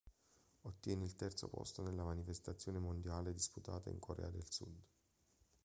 Ottiene il terzo posto nella manifestazione mondiale disputata in Corea del Sud.